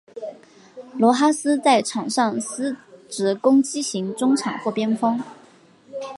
罗哈斯在场上司职攻击型中场或边锋。